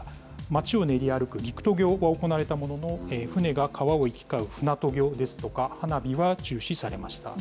街を練り歩くが行われたほか、船が川を行き交う船渡御ですとか、花火は中止されました。